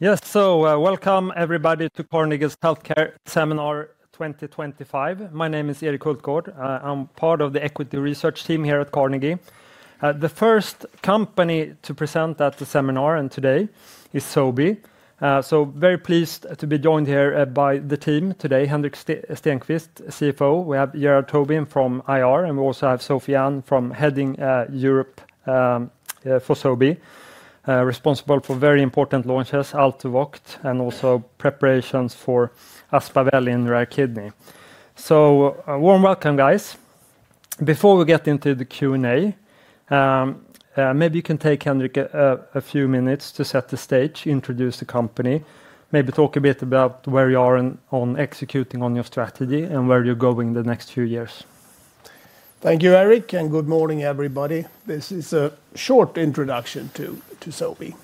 Yes, so welcome everybody to Carnegie's Healthcare Seminar 2025. My name is Erik Hultgård. I'm part of the equity research team here at Carnegie. The first company to present at the seminar today is Sobi. So very pleased to be joined here by the team today, Henrik Stenqvist, CFO. We have Gerard Tobin from IR, and we also have Sofiane Fahmy from Heading of Europe for Sobi, responsible for very important launches, ALTUVOCT, and also preparations for Aspaveli in rare kidney. So a warm welcome, guys. Before we get into the Q&A, maybe you can take, Henrik, a few minutes to set the stage, introduce the company, maybe talk a bit about where you are on executing on your strategy and where you're going the next few years. Thank you, Erik, and good morning, everybody. This is a short introduction to Sobi,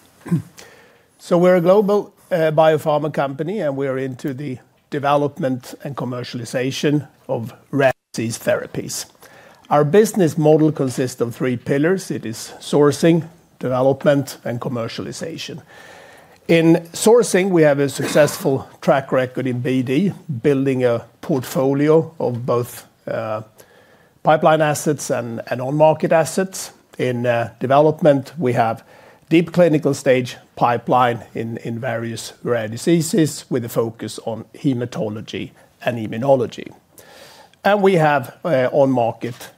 so we're a global biopharma company, and we're into the development and commercialization of rare disease therapies. Our business model consists of three pillars. It is sourcing, development, and commercialization. In sourcing, we have a successful track record in BD, building a portfolio of both pipeline assets and on-market assets. In development, we have a deep clinical stage pipeline in various rare diseases with a focus on hematology and immunology, and we have on-market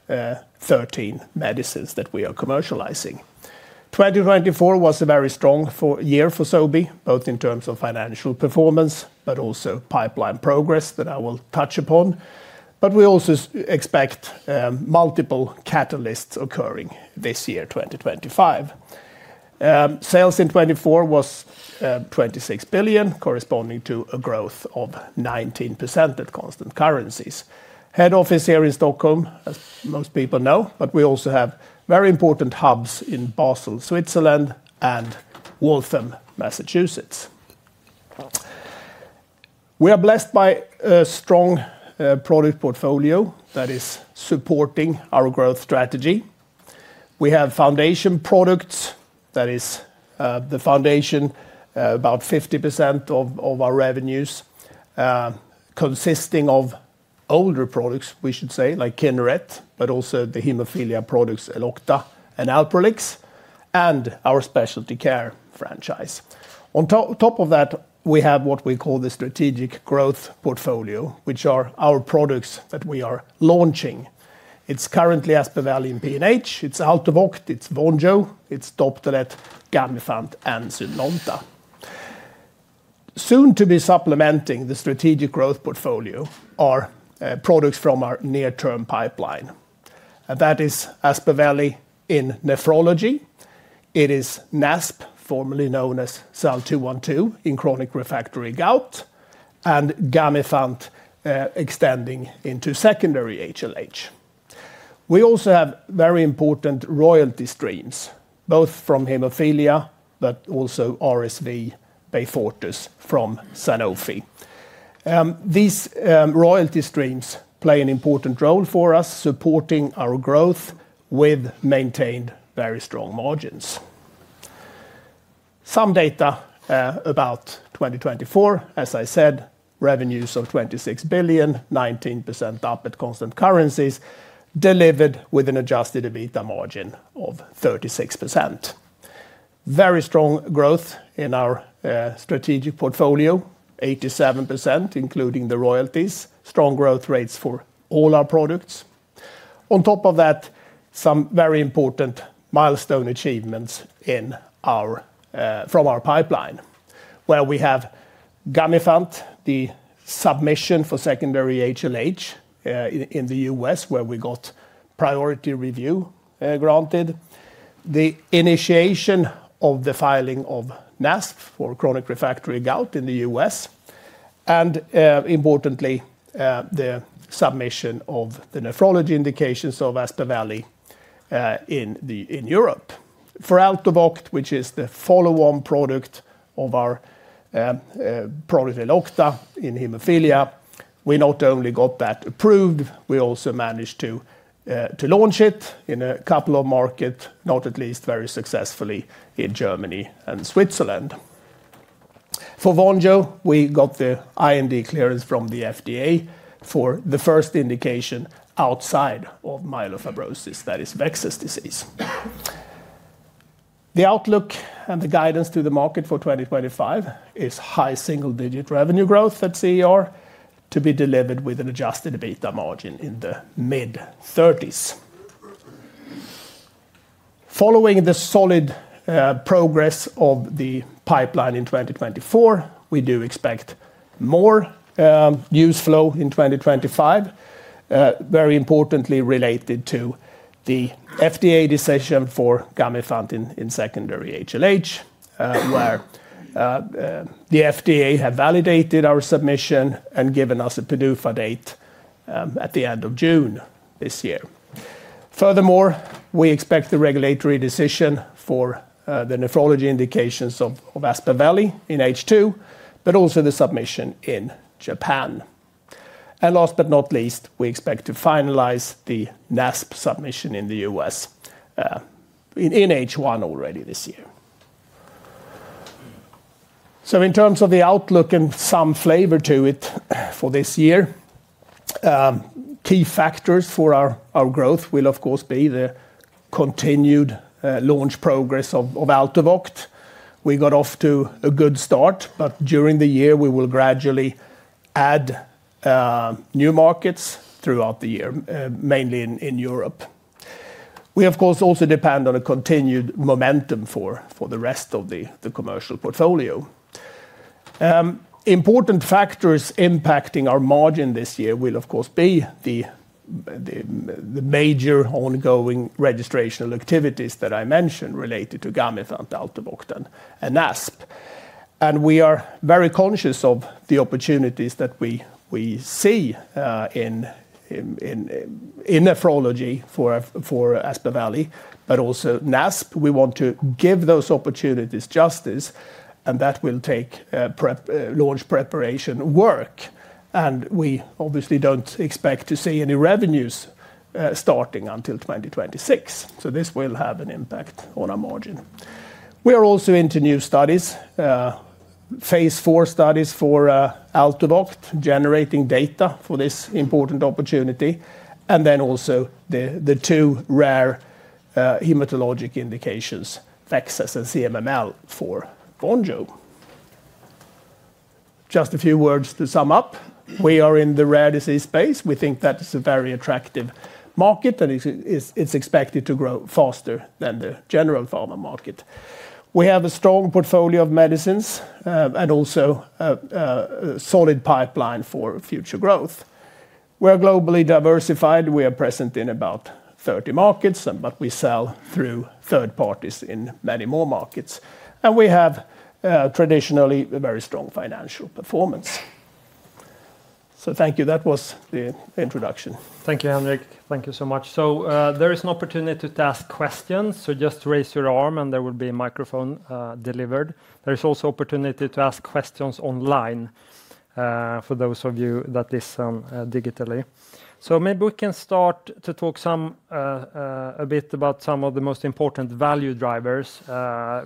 13 medicines that we are commercializing. 2024 was a very strong year for Sobi, both in terms of financial performance, but also pipeline progress that I will touch upon, but we also expect multiple catalysts occurring this year, 2025. Sales in 2024 was 26 billion, corresponding to a growth of 19% at constant currencies. Head office here in Stockholm, as most people know, but we also have very important hubs in Basel, Switzerland, and Waltham, Massachusetts. We are blessed by a strong product portfolio that is supporting our growth strategy. We have foundation products, that is the foundation, about 50% of our revenues, consisting of older products, we should say, like Kineret, but also the hemophilia products, Elocta and Alprolix, and our specialty care franchise. On top of that, we have what we call the strategic growth portfolio, which are our products that we are launching. It's currently Aspaveli in PNH. It's ALTUVOCT, it's VONJO, it's Doptelet, Gamifant and Zynlonta. Soon to be supplementing the strategic growth portfolio are products from our near-term pipeline. That is Aspaveli in nephrology. It is NASP, formerly known as SEL-212 in chronic refractory gout, and Gamifant extending into secondary HLH. We also have very important royalty streams, both from hemophilia, but also RSV, Beyfortus from Sanofi. These royalty streams play an important role for us, supporting our growth with maintained very strong margins. Some data about 2024, as I said, revenues of 26 billion, 19% up at constant currencies, delivered with an adjusted EBITDA margin of 36%. Very strong growth in our strategic portfolio, 87%, including the royalties, strong growth rates for all our products. On top of that, some very important milestone achievements from our pipeline, where we have Gamifant, the submission for secondary HLH in the U.S., where we got priority review granted, the initiation of the filing of NASP for chronic refractory gout in the U.S., and importantly, the submission of the nephrology indications of Aspaveli in Europe. For ALTUVOCT, which is the follow-on product of our product Elocta in hemophilia, we not only got that approved, we also managed to launch it in a couple of markets, not least very successfully in Germany and Switzerland. For VONJO, we got the IND clearance from the FDA for the first indication outside of myelofibrosis, that is VEXAS disease. The outlook and the guidance to the market for 2025 is high single-digit revenue growth at CER to be delivered with an Adjusted EBITDA margin in the mid-30s. Following the solid progress of the pipeline in 2024, we do expect more news flow in 2025, very importantly related to the FDA decision for Gamifant in secondary HLH, where the FDA has validated our submission and given us a PDUFA date at the end of June this year. Furthermore, we expect the regulatory decision for the nephrology indications of Aspaveli in H2, but also the submission in Japan, and last but not least, we expect to finalize the NASP submission in the U.S. in H1 already this year, so in terms of the outlook and some flavor to it for this year, key factors for our growth will, of course, be the continued launch progress of ALTUVOCT. We got off to a good start, but during the year, we will gradually add new markets throughout the year, mainly in Europe. We, of course, also depend on a continued momentum for the rest of the commercial portfolio. Important factors impacting our margin this year will, of course, be the major ongoing registrational activities that I mentioned related to Gamifant, ALTUVOCT, and NASP. We are very conscious of the opportunities that we see in nephrology for Aspaveli, but also NASP. We want to give those opportunities justice, and that will take launch preparation work. We obviously don't expect to see any revenues starting until 2026. This will have an impact on our margin. We are also into new studies, phase IV studies for ALTUVOCT, generating data for this important opportunity, and then also the two rare hematologic indications, VEXAS and CMML, for VONJO. Just a few words to sum up. We are in the rare disease space. We think that it's a very attractive market, and it's expected to grow faster than the general pharma market. We have a strong portfolio of medicines and also a solid pipeline for future growth. We are globally diversified. We are present in about 30 markets, but we sell through third parties in many more markets. And we have traditionally very strong financial performance. So thank you. That was the introduction. Thank you, Henrik. Thank you so much. There is an opportunity to ask questions. Just raise your arm, and there will be a microphone delivered. There is also an opportunity to ask questions online for those of you that listen digitally. Maybe we can start to talk a bit about some of the most important value drivers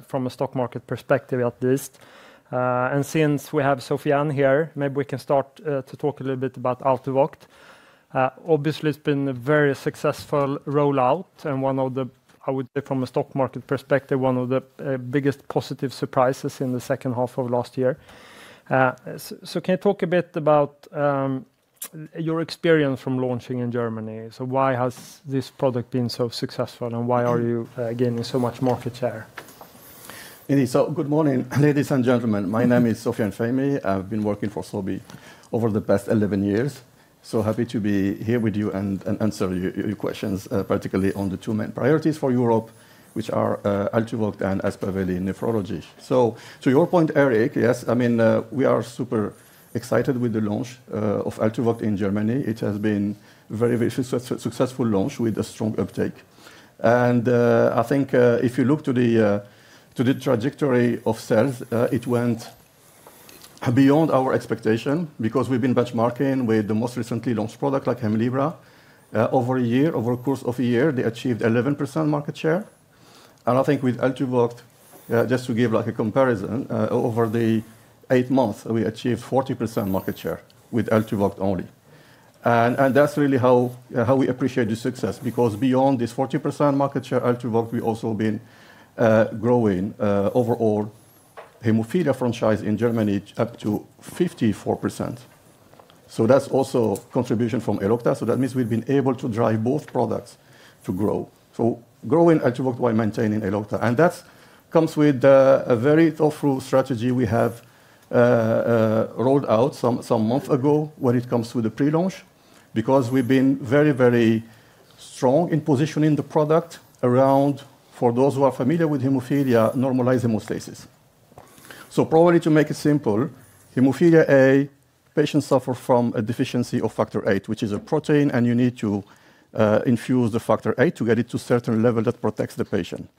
from a stock market perspective, at least. Since we have Sofiane Fahmy here, maybe we can start to talk a little bit about ALTUVOCT. Obviously, it has been a very successful rollout and one of the, I would say, from a stock market perspective, one of the biggest positive surprises in the second half of last year. Can you talk a bit about your experience from launching in Germany? Why has this product been so successful, and why are you gaining so much market share? Indeed. So good morning, ladies and gentlemen. My name is Sofiane Fahmy. I've been working for Sobi over the past 11 years. So happy to be here with you and answer your questions, particularly on the two main priorities for Europe, which are ALTUVOCT and Aspaveli in nephrology. So to your point, Erik, yes, I mean, we are super excited with the launch of ALTUVOCT in Germany. It has been a very successful launch with a strong uptake. And I think if you look to the trajectory of sales, it went beyond our expectation because we've been benchmarking with the most recently launched product like Hemlibra. Over a year, over the course of a year, they achieved 11% market share. And I think with ALTUVOCT, just to give like a comparison, over the eight month, we achieved 40% market share with ALTUVOCT only. And that's really how we appreciate the success because beyond this 40% market share ALTUVOCT, we've also been growing overall hemophilia franchise in Germany up to 54%. So that's also a contribution from Elocta. So that means we've been able to drive both products to grow. So growing ALTUVOCT while maintaining Elocta. And that comes with a very thoughtful strategy we have rolled out some months ago when it comes to the pre-launch because we've been very, very strong in positioning the product around, for those who are familiar with hemophilia, normalized hemostasis. So probably to make it simple, hemophilia A, patients suffer from a deficiency of factor VIII, which is a protein, and you need to infuse the factor VIII to get it to a certain level that protects the patient.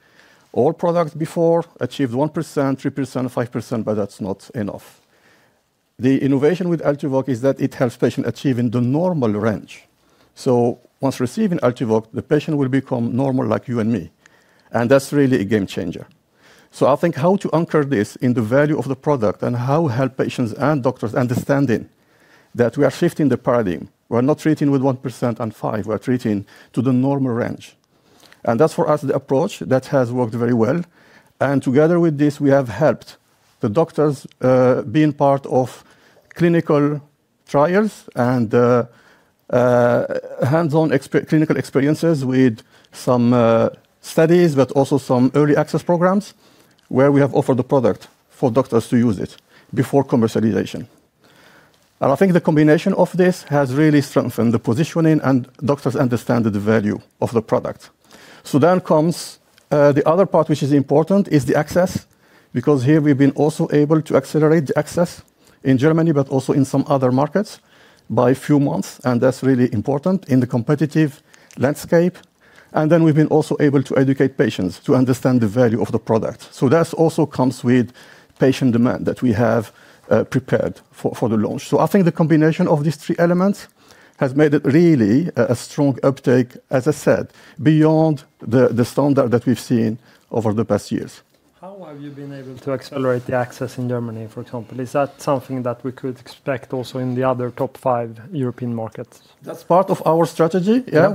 All products before achieved 1%, 3%, 5%, but that's not enough. The innovation with ALTUVOCT is that it helps patients achieve in the normal range. So once receiving ALTUVOCT, the patient will become normal like you and me. And that's really a game changer. So I think how to anchor this in the value of the product and how to help patients and doctors understanding that we are shifting the paradigm. We're not treating with 1% and 5%. We're treating to the normal range. And that's for us the approach that has worked very well. And together with this, we have helped the doctors being part of clinical trials and hands-on clinical experiences with some studies, but also some early access programs where we have offered the product for doctors to use it before commercialization. And I think the combination of this has really strengthened the positioning and doctors understand the value of the product. So then comes the other part, which is important, is the access because here we've been also able to accelerate the access in Germany, but also in some other markets by a few months. And that's really important in the competitive landscape. And then we've been also able to educate patients to understand the value of the product. So that also comes with patient demand that we have prepared for the launch. So I think the combination of these three elements has made it really a strong uptake, as I said, beyond the standard that we've seen over the past years. How have you been able to accelerate the access in Germany, for example? Is that something that we could expect also in the other top five European markets? That's part of our strategy. Yeah,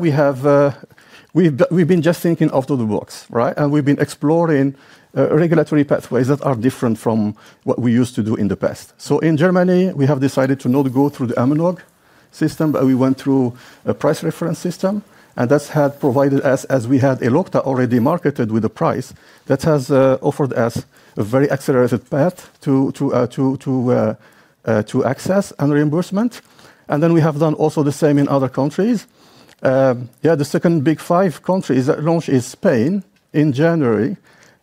we've been just thinking out of the box, right? And we've been exploring regulatory pathways that are different from what we used to do in the past. So in Germany, we have decided to not go through the AMNOG system, but we went through a price reference system. And that's had provided us, as we had Elocta already marketed with a price that has offered us a very accelerated path to access and reimbursement. And then we have done also the same in other countries. Yeah, the second big five countries that launch is Spain in January.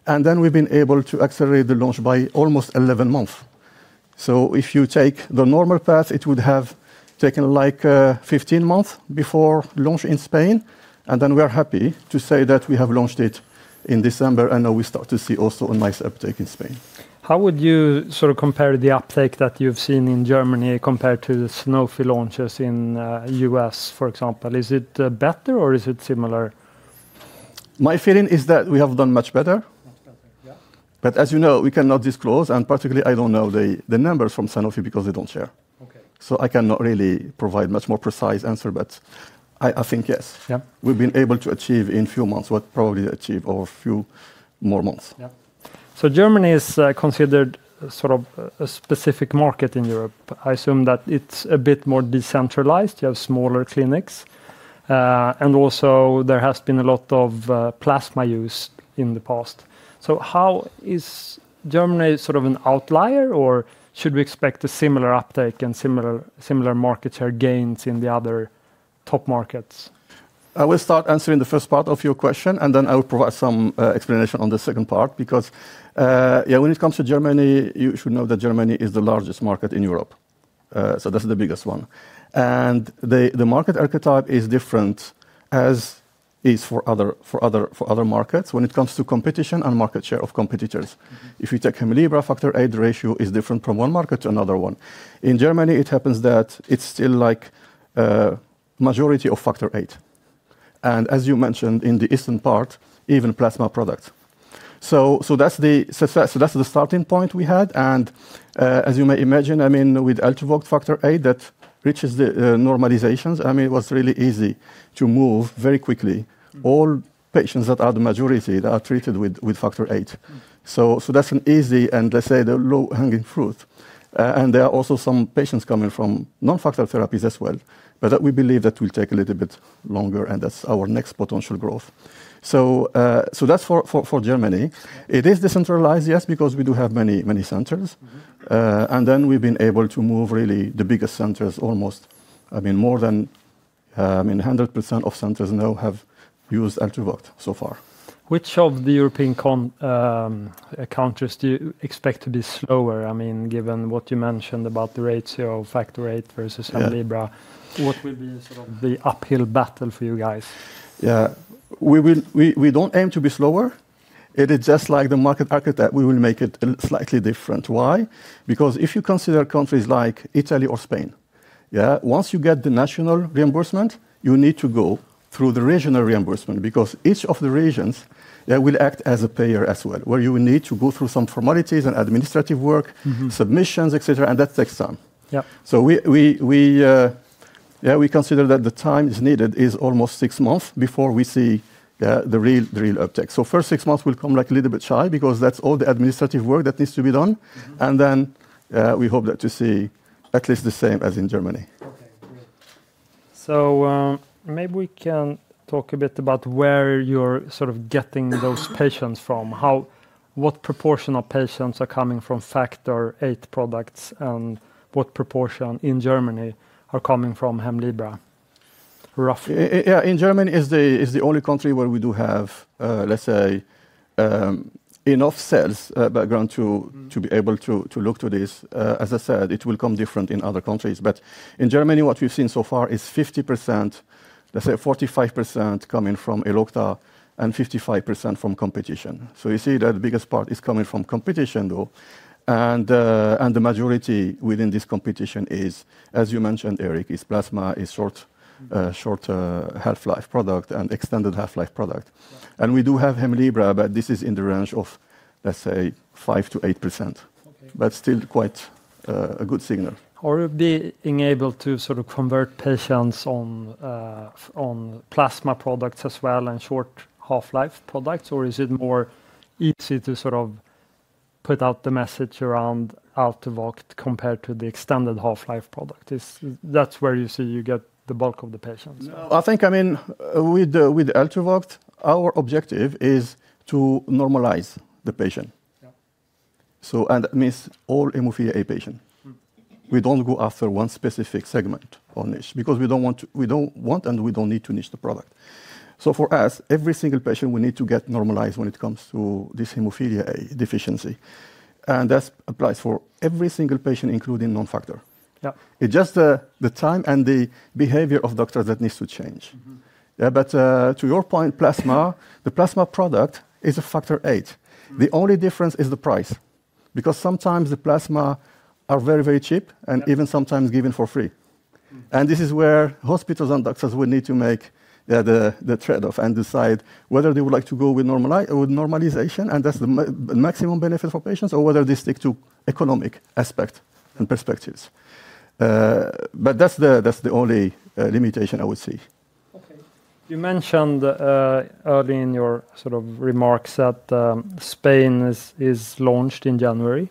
And then we've been able to accelerate the launch by almost 11 months. So if you take the normal path, it would have taken like 15 months before launch in Spain. We are happy to say that we have launched it in December and now we start to see also a nice uptake in Spain. How would you sort of compare the uptake that you've seen in Germany compared to the Sanofi launches in the U.S., for example? Is it better or is it similar? My feeling is that we have done much better. But as you know, we cannot disclose, and particularly I don't know the numbers from Sanofi because they don't share. So I cannot really provide a much more precise answer, but I think yes. We've been able to achieve in a few months what probably achieved over a few more months. So Germany is considered sort of a specific market in Europe. I assume that it's a bit more decentralized. You have smaller clinics. And also there has been a lot of plasma use in the past. So how is Germany sort of an outlier or should we expect a similar uptake and similar market share gains in the other top markets? I will start answering the first part of your question, and then I will provide some explanation on the second part because, yeah, when it comes to Germany, you should know that Germany is the largest market in Europe, so that's the biggest one. And the market archetype is different as is for other markets when it comes to competition and market share of competitors. If you take Hemlibra, Factor VIII ratio is different from one market to another one. In Germany, it happens that it's still like a majority of Factor VIII. And as you mentioned, in the eastern part, even plasma products. So that's the starting point we had. And as you may imagine, I mean, with ALTUVOCT, Factor VIII that reaches the normalizations, I mean, it was really easy to move very quickly all patients that are the majority that are treated with Factor VIII. So that's an easy and, let's say, the low-hanging fruit. And there are also some patients coming from non-factor therapies as well, but we believe that will take a little bit longer, and that's our next potential growth. So that's for Germany. It is decentralized, yes, because we do have many centers. And then we've been able to move really the biggest centers almost. I mean, more than 100% of centers now have used ALTUVOCT so far. Which of the European countries do you expect to be slower? I mean, given what you mentioned about the ratio of factor VIII versus Hemlibra, what will be sort of the uphill battle for you guys? Yeah, we don't aim to be slower. It is just like the market architect. We will make it slightly different. Why? Because if you consider countries like Italy or Spain, yeah, once you get the national reimbursement, you need to go through the regional reimbursement because each of the regions will act as a payer as well, where you will need to go through some formalities and administrative work, submissions, etc., and that takes time, so yeah, we consider that the time is needed is almost six months before we see the real uptake, so first six months will come like a little bit shy because that's all the administrative work that needs to be done, and then we hope to see at least the same as in Germany. So maybe we can talk a bit about where you're sort of getting those patients from. What proportion of patients are coming from Factor VIII products and what proportion in Germany are coming from Hemlibra, roughly? Yeah, in Germany is the only country where we do have, let's say, enough sales background to be able to look to this. As I said, it will come different in other countries. But in Germany, what we've seen so far is 50%, let's say 45% coming from Elocta and 55% from competition. So you see that the biggest part is coming from competition, though. And the majority within this competition is, as you mentioned, Erik, is plasma, is short half-life product, and extended half-life product. And we do have Hemlibra, but this is in the range of, let's say, 5% to 8%, but still quite a good signal. Are you being able to sort of convert patients on plasma products as well and short half-life products, or is it more easy to sort of put out the message around ALTUVOCT compared to the extended half-life product? That's where you see you get the bulk of the patients. I think, I mean, with ALTUVOCT, our objective is to normalize the patient, and that means all hemophilia A patients. We don't go after one specific segment or niche because we don't want and we don't need to niche the product. So for us, every single patient, we need to get normalized when it comes to this hemophilia A deficiency, and that applies for every single patient, including non-factor. It's just the time and the behavior of doctors that needs to change, but to your point, plasma, the plasma product is a factor VIII. The only difference is the price because sometimes the plasma are very, very cheap and even sometimes given for free. And this is where hospitals and doctors will need to make the trade-off and decide whether they would like to go with normalization, and that's the maximum benefit for patients, or whether they stick to economic aspect and perspectives. But that's the only limitation I would see. You mentioned early in your sort of remarks that Spain is launched in January.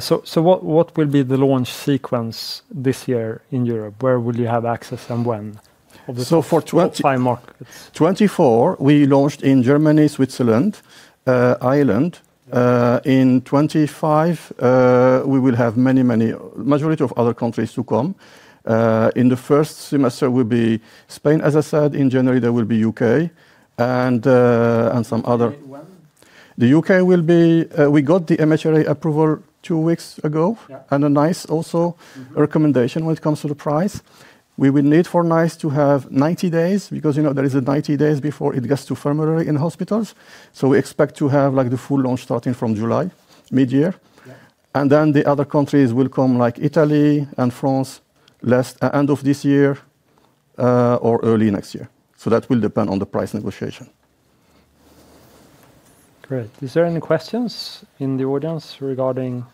So what will be the launch sequence this year in Europe? Where will you have access and when? So for 20. What five markets? 2024, we launched in Germany, Switzerland, Ireland. In 2025, we will have many, many majority of other countries to come. In the first semester will be Spain, as I said. In January, there will be U.K. and some other. And then when? The U.K. will be. We got the MHRA approval two weeks ago and a NICE also recommendation when it comes to the price. We will need for NICE to have 90 days because there is a 90 days before it gets to formulary in hospitals, so we expect to have like the full launch starting from July, mid-year, and then the other countries will come like Italy and France late end of this year or early next year, so that will depend on the price negotiation. Great. Is there any questions in the audience regarding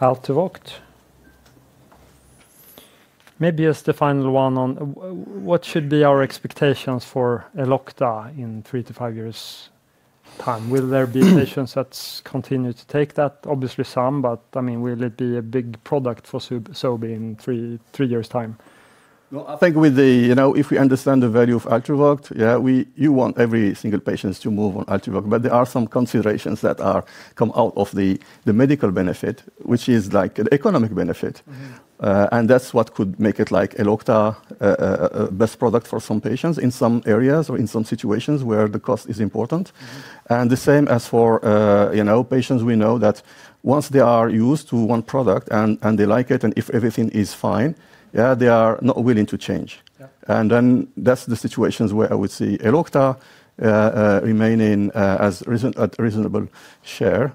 ALTUVOCT? Maybe as the final one on what should be our expectations for Elocta in three to five years' time? Will there be patients that continue to take that? Obviously some, but I mean, will it be a big product for Sobi in three years' time? I think, if we understand the value of ALTUVOCT, yeah, you want every single patient to move on ALTUVOCT, but there are some considerations that come out of the medical benefit, which is like an economic benefit. That's what could make it like Elocta a best product for some patients in some areas or in some situations where the cost is important. The same as for patients, we know that once they are used to one product and they like it, and if everything is fine, yeah, they are not willing to change. That's the situations where I would see Elocta remaining as a reasonable share.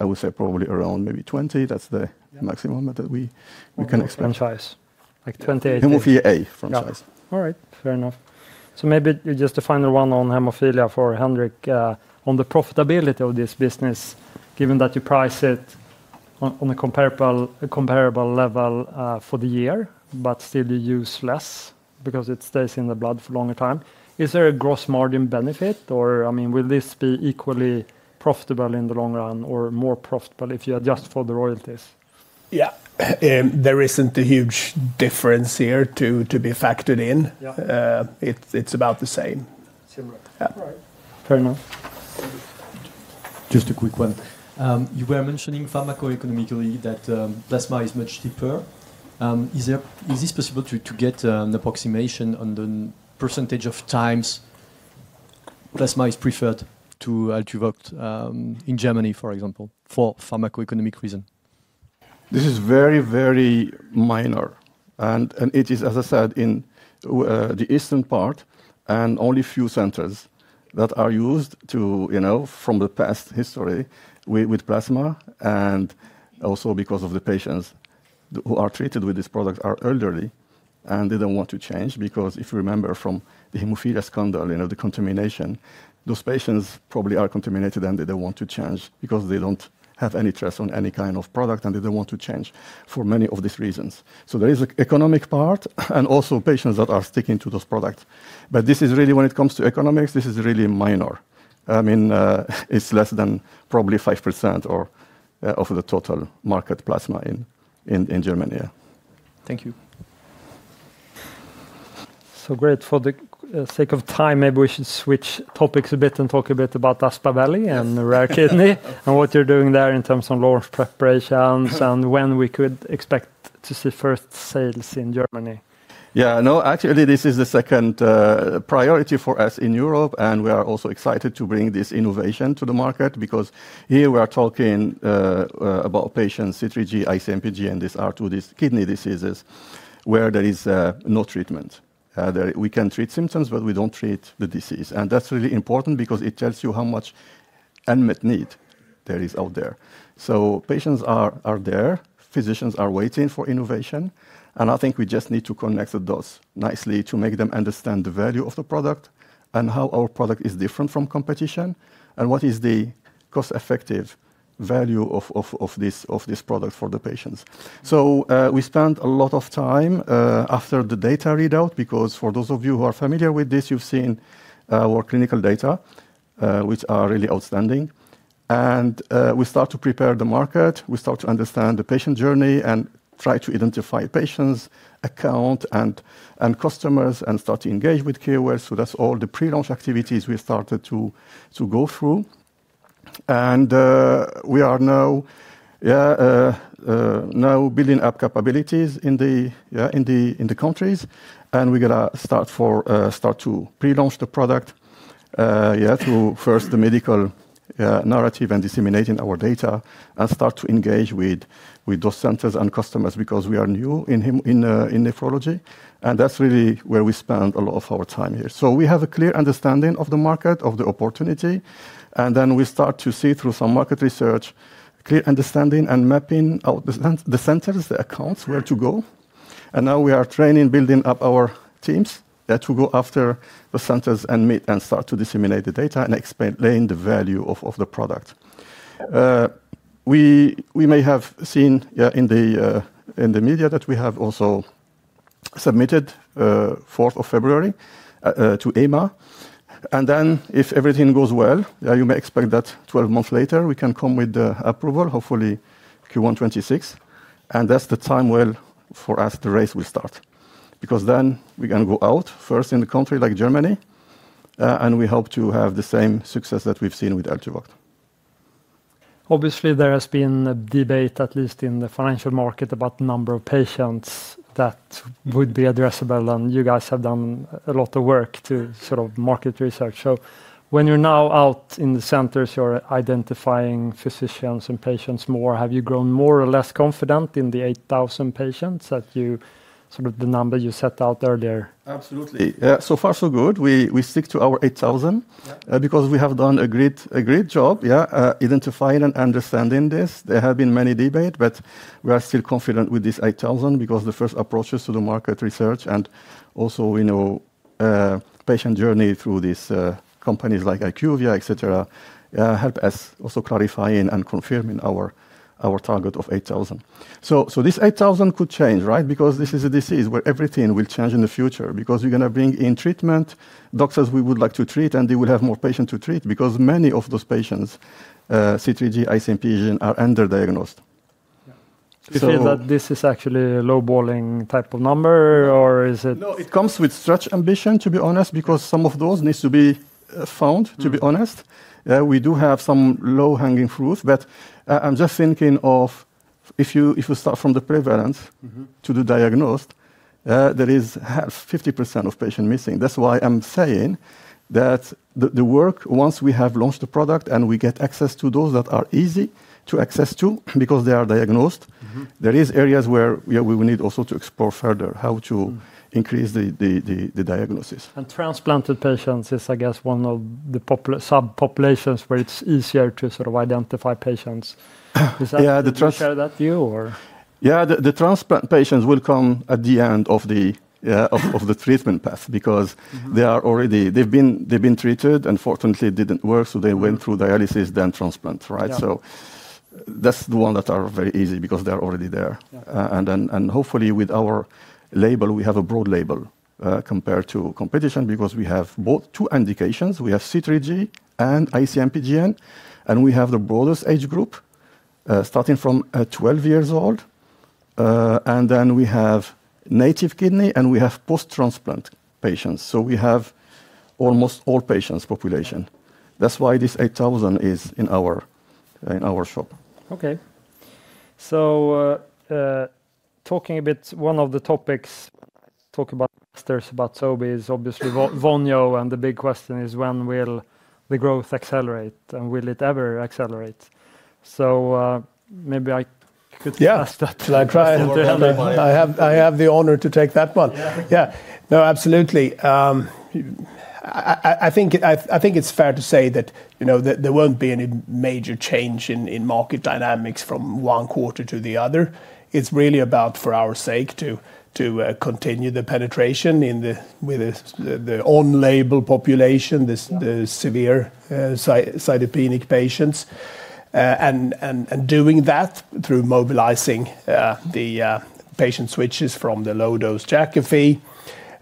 I would say probably around maybe 20%. That's the maximum that we can expect. Like 20. Hemophilia A franchise. All right. Fair enough. So maybe just a final one on hemophilia for Henrik, on the profitability of this business, given that you price it on a comparable level for the year, but still you use less because it stays in the blood for a longer time. Is there a gross margin benefit or I mean, will this be equally profitable in the long run or more profitable if you adjust for the royalties? Yeah, there isn't a huge difference here to be factored in. It's about the same. Similar. All right. Fair enough. Just a quick one. You were mentioning pharmacoeconomically that plasma is much cheaper. Is this possible to get an approximation on the percentage of times plasma is preferred to ALTUVOCT in Germany, for example, for pharmacoeconomic reason? This is very, very minor. And it is, as I said, in the eastern part and only a few centers that are used from the past history with plasma. And also because of the patients who are treated with this product are elderly and they don't want to change because if you remember from the hemophilia scandal, the contamination, those patients probably are contaminated and they don't want to change because they don't have any trust on any kind of product and they don't want to change for many of these reasons. So there is an economic part and also patients that are sticking to those products. But this is really when it comes to economics, this is really minor. I mean, it's less than probably 5% of the total market plasma in Germany. Thank you. So great. For the sake of time, maybe we should switch topics a bit and talk a bit about Aspaveli and rare kidney and what you're doing there in terms of launch preparations and when we could expect to see first sales in Germany. Yeah, no, actually this is the second priority for us in Europe, and we are also excited to bring this innovation to the market because here we are talking about patients C3G, IC-MPGN, and these R2D kidney diseases where there is no treatment. We can treat symptoms, but we don't treat the disease, and that's really important because it tells you how much unmet need there is out there, so patients are there, physicians are waiting for innovation, and I think we just need to connect the dots nicely to make them understand the value of the product and how our product is different from competition and what is the cost-effective value of this product for the patients, so we spend a lot of time after the data readout because for those of you who are familiar with this, you've seen our clinical data, which are really outstanding. We start to prepare the market. We start to understand the patient journey and try to identify patients, accounts, and customers and start to engage with KOLs. So that's all the pre-launch activities we started to go through. We are now building up capabilities in the countries. We're going to start to pre-launch the product to first the medical narrative and disseminating our data and start to engage with those centers and customers because we are new in nephrology. That's really where we spend a lot of our time here. So we have a clear understanding of the market, of the opportunity. Then we start to see through some market research, clear understanding and mapping out the centers, the accounts, where to go. And now we are training, building up our teams to go after the centers and meet and start to disseminate the data and explain the value of the product. We may have seen in the media that we have also submitted 4th of February to EMA. And then if everything goes well, you may expect that 12 months later, we can come with the approval, hopefully Q1 2026. And that's the time, well, for us the race will start because then we can go out first in the country like Germany. And we hope to have the same success that we've seen with ALTUVOCT. Obviously, there has been a debate, at least in the financial market, about the number of patients that would be addressable. And you guys have done a lot of work to sort of market research. So when you're now out in the centers, you're identifying physicians and patients more. Have you grown more or less confident in the 8,000 patients that you sort of the number you set out earlier? Absolutely. So far, so good. We stick to our 8,000 because we have done a great job identifying and understanding this. There have been many debates, but we are still confident with this 8,000 because the first approaches to the market research and also patient journey through these companies like IQVIA, etc., help us also clarifying and confirming our target of 8,000, so this 8,000 could change, right? Because this is a disease where everything will change in the future because we're going to bring in treatment, doctors we would like to treat, and they will have more patients to treat because many of those patients, C3G, IC-MPGN, are underdiagnosed. You say that this is actually a low-balling type of number, or is it? No, it comes with stretch ambition, to be honest, because some of those needs to be found, to be honest. We do have some low-hanging fruits, but I'm just thinking of if you start from the prevalence to the diagnosed, there is 50% of patients missing. That's why I'm saying that the work, once we have launched the product and we get access to those that are easy to access to because they are diagnosed, there are areas where we will need also to explore further how to increase the diagnosis. Transplanted patients is, I guess, one of the subpopulations where it's easier to sort of identify patients. Yeah, the. Share that view, or? Yeah, the transplant patients will come at the end of the treatment path because they've been treated and fortunately didn't work, so they went through dialysis, then transplant, right? So that's the one that are very easy because they're already there. And hopefully with our label, we have a broad label compared to competition because we have both two indications. We have C3G and IC-MPGN, and we have the broadest age group starting from 12 years old. And then we have native kidney and we have post-transplant patients. So we have almost all patients population. That's why this 8,000 is in our shop. Okay. So talking a bit, one of the topics talk about Sobi is obviously VONJO, and the big question is when will the growth accelerate and will it ever accelerate? So maybe I could ask that. Yeah, I'll try and I have the honor to take that one. Yeah, no, absolutely. I think it's fair to say that there won't be any major change in market dynamics from one quarter to the other. It's really about for our sake to continue the penetration with the on-label population, the severe cytopenic patients, and doing that through mobilizing the patient switches from the low-dose Jakafi.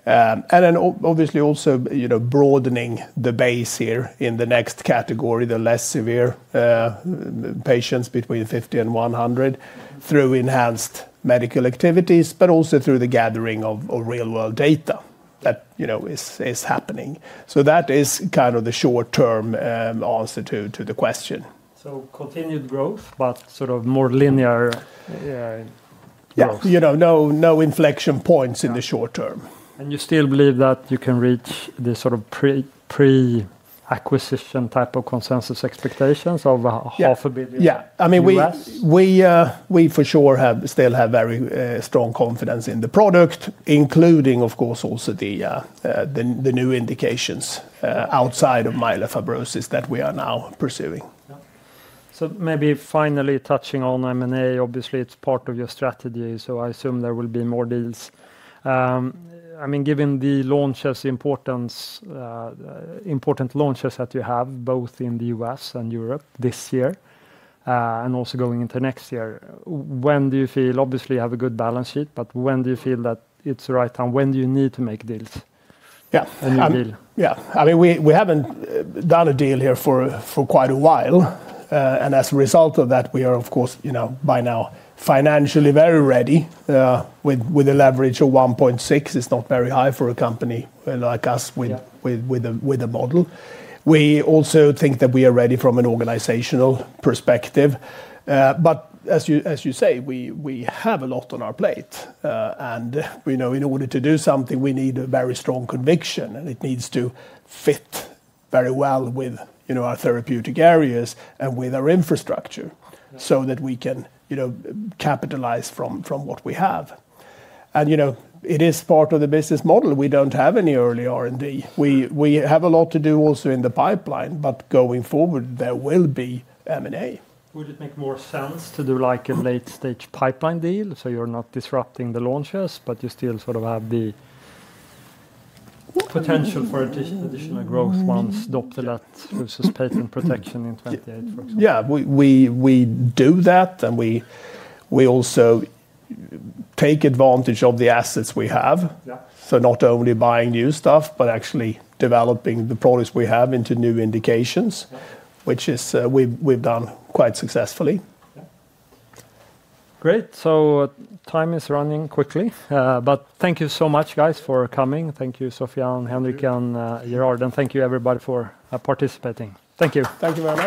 And then obviously also broadening the base here in the next category, the less severe patients between 50 and 100 through enhanced medical activities, but also through the gathering of real-world data that is happening. So that is kind of the short-term answer to the question. So continued growth, but sort of more linear. Yeah, no inflection points in the short term. You still believe that you can reach the sort of pre-acquisition type of consensus expectations of $500 million? Yeah, I mean, we for sure still have very strong confidence in the product, including, of course, also the new indications outside of myelofibrosis that we are now pursuing. So maybe finally touching on M&A, obviously it's part of your strategy, so I assume there will be more deals. I mean, given the launches, important launches that you have both in the U.S. and Europe this year and also going into next year, when do you feel, obviously you have a good balance sheet, but when do you feel that it's the right time? When do you need to make deals? Yeah, I mean, we haven't done a deal here for quite a while. And as a result of that, we are, of course, by now financially very ready with a leverage of 1.6. It's not very high for a company like us with a model. We also think that we are ready from an organizational perspective. But as you say, we have a lot on our plate. And in order to do something, we need a very strong conviction, and it needs to fit very well with our therapeutic areas and with our infrastructure so that we can capitalize from what we have. And it is part of the business model. We don't have any early R&D. We have a lot to do also in the pipeline, but going forward, there will be M&A. Would it make more sense to do like a late-stage pipeline deal so you're not disrupting the launches, but you still sort of have the potential for additional growth once Doptelet loses patent protection in 2028, for example? Yeah, we do that and we also take advantage of the assets we have, so not only buying new stuff, but actually developing the products we have into new indications, which we've done quite successfully. Great. So time is running quickly. But thank you so much, guys, for coming. Thank you, Sofiane and Henrik and Gerard. And thank you, everybody, for participating. Thank you. Thank you very much.